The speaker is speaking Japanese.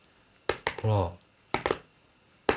ほら。